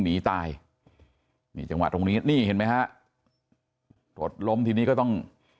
หนีตายนี่จังหวะตรงนี้นี่เห็นไหมฮะรถล้มทีนี้ก็ต้อง